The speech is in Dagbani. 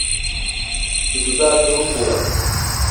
Tutu daa duhi kuŋa.